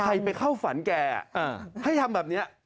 ไปเข้าฝันแกให้ทำแบบนี้